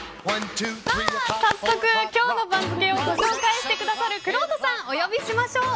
早速、今日の番付をご紹介してくださるくろうとさんをお呼びしましょう。